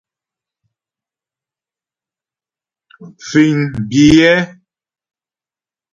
Fíŋ biyɛ́.